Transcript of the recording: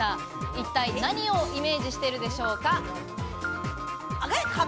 一体何をイメージしているでしょうか。